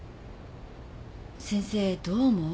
先生どう思う？